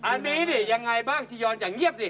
อันนี้ดิยังไงบ้างจียอนอย่างเงียบดิ